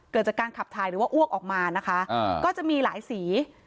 เกิดจากการขับถ่ายหรือว่าอ้วกออกมานะคะก็จะมีหลายสี